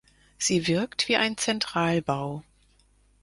Sie wirkt wie ein Zentralbau.